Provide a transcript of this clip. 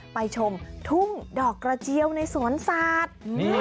ไปชมทุ่งดอกกระเจียวในสวนสัตว์